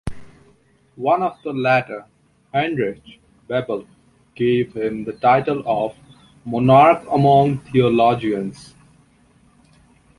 One of the latter, Heinrich Bebel, gave him the title of "monarch among theologians".